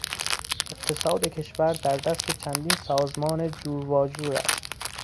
اقتصاد کشور در دست چندین سازمان جور واجور است.